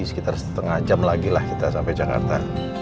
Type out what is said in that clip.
sekitar setengah jam lagi lah kita sampai jakarta